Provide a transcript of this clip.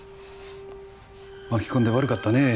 巻き込んで悪かったね